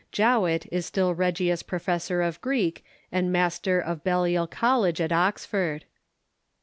Jowett is still Regius Professor of Greek and Master of Balliol College at Oxford.